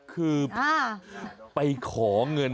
คือไปขอเงิน